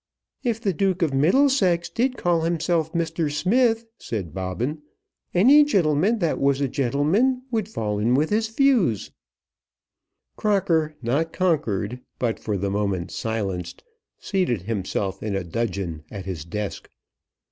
"If the Duke of Middlesex did call himself Mr. Smith," said Bobbin, "any gentleman that was a gentleman would fall in with his views." Crocker, not conquered, but for the moment silenced, seated himself in a dudgeon at his desk.